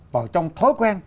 vào trong thói quen